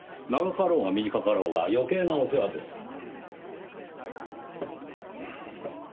長かろうが短かろうが余計なお世話です。